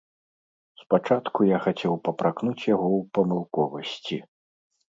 Спачатку я хацеў папракнуць яго ў памылковасці.